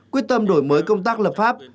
quyết tâm đổi mới công tác lập pháp